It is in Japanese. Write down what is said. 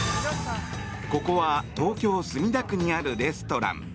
ここは東京・墨田区にあるレストラン。